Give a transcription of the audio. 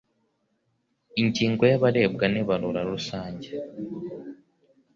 ingingo ya abarebwa n ibarura rusange